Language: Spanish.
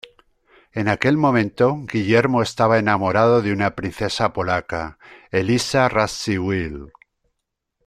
En aquel momento, Guillermo estaba enamorado de una princesa polaca, Eliza Radziwill.